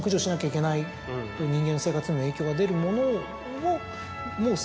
人間の生活にも影響が出るものを。